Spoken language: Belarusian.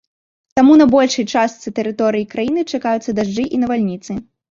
Таму на большай частцы тэрыторыі краіны чакаюцца дажджы і навальніцы.